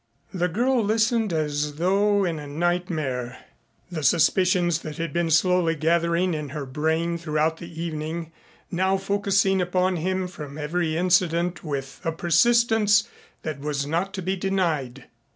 The girl listened as though in a nightmare, the suspicions that had been slowly gathering in her brain throughout the evening now focusing upon him from every incident with a persistence that was not to be denied.